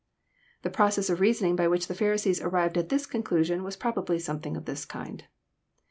] The process of reasoning by which the Pharisees arrived at this conclusion was probably something of this kind.